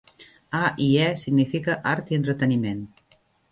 "A i E" significa "Art i Entreteniment".